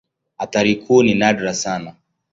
Athari kuu ni nadra sana.